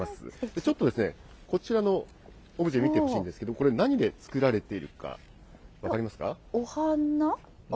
ちょっとですね、こちらのオブジェ、見てほしいんですけど、これ、何で作られているか、分かりますお花？